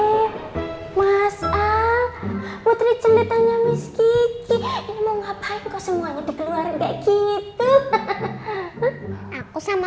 eh masal putri celetanya miski mau ngapain kau semuanya keluar enggak gitu aku sama